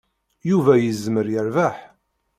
Yuba yezmer yerbeḥ.